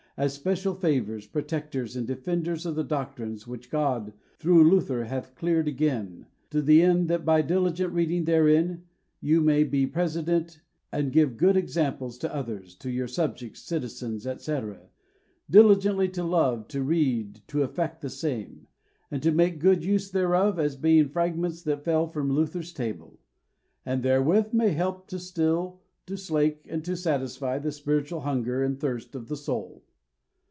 as special favourers, protectors, and defenders of the Doctrines which God, through Luther, hath cleared again, to the end that by diligent reading therein, you may be president, and give good examples to others, to your subjects, citizens, etc., diligently to love, to read, to affect the same, and to make good use thereof, as being fragments that fell from Luther's Table, and therewith may help to still, to slake, and to satisfy the spiritual hunger and thirst of the soul.